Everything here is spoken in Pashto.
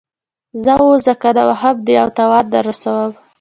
ځه ووځه کنه وهم دې او تاوان در رسوم.